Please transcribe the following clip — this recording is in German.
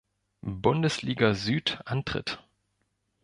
Bundesliga Süd antritt.